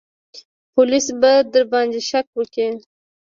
پوليس به درباندې شک وکي.